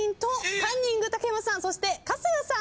カンニング竹山さんそして春日さん